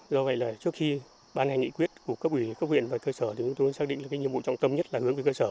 do vậy là trước khi ban hành nghị quyết của cấp ủy cấp huyện và cơ sở thì chúng tôi xác định là cái nhiệm vụ trọng tâm nhất là hướng về cơ sở